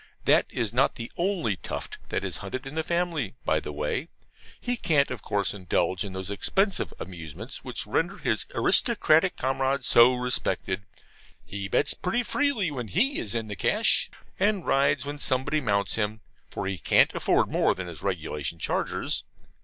That is not the only tuft that is hunted in the family, by the way. He can't, of course, indulge in those expensive amusements which render his aristocratic comrade so respected: he bets pretty freely when he is in cash, and rides when somebody mounts him (for he can't afford more than his regulation chargers).